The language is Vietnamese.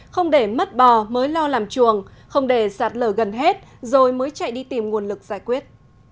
không để mất bò mới lo làm chuồng không để sạt lở gần hết rồi mới chạy đi tìm nguồn lực giải quyết